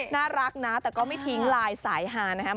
น่ารักนะแต่ก็ไม่ทิ้งลายสายฮานะครับ